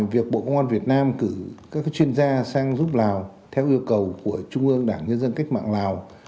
việc bộ công an việt nam cử các chuyên gia sang giúp lào theo yêu cầu của trung ương đảng nhân dân cách mạng lào